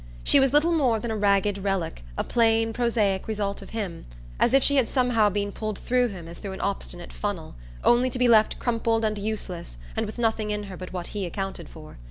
She was little more than a ragged relic, a plain prosaic result of him as if she had somehow been pulled through him as through an obstinate funnel, only to be left crumpled and useless and with nothing in her but what he accounted for.